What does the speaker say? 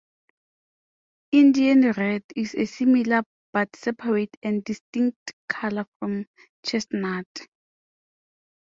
Indian red is a similar but separate and distinct color from "chestnut".